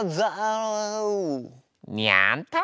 にゃんと！